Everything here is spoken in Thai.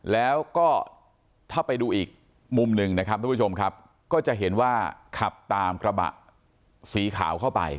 แล้วก็ถ้าไปดูอีกมุมหนึ่งนะครับทุกผู้ชมครับก็จะเห็นว่าขับตามกระบะสีขาวเข้าไป